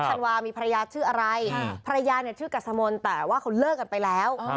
ธันวามีภรรยาชื่ออะไรภรรยาเนี่ยชื่อกัสมนต์แต่ว่าเขาเลิกกันไปแล้ว